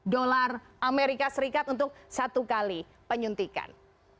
dolar amerika serikat untuk satu kali penyuntikan